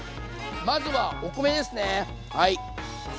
まずはお米ですねはい。